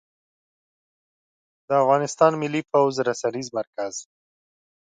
د افغانستان ملى پوځ رسنيز مرکز